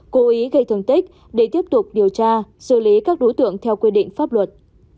cố ý gây thương tích để tiếp tục điều tra xử lý các đối tượng theo quy định pháp luật